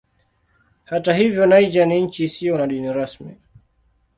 Hata hivyo Niger ni nchi isiyo na dini rasmi.